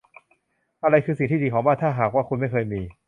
อะไรคือสิ่งที่ดีของบ้าน ถ้าหากว่าคุณไม่เคยมี